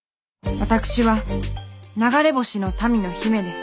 私は流れ星の民の姫です。